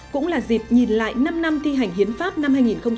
cũng là dịp nhìn lại năm năm thi hành hiến pháp năm hai nghìn một mươi ba